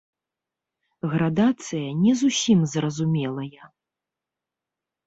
Градацыя не зусім зразумелая.